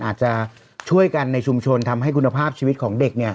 อาจจะช่วยกันในชุมชนทำให้คุณภาพชีวิตของเด็ก